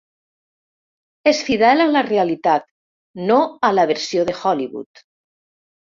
És fidel a la realitat, no a la versió de Hollywood.